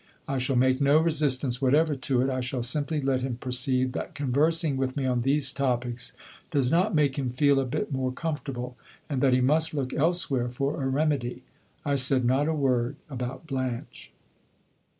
I shall make no resistance whatever to it; I shall simply let him perceive that conversing with me on these topics does not make him feel a bit more comfortable, and that he must look elsewhere for a remedy. I said not a word about Blanche."